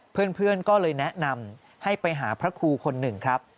เพื่อนก็เลยแนะนำให้ไปหาพระครูคนหนึ่งครับ